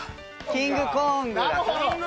キング・コーング。